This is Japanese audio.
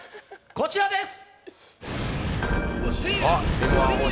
こちらです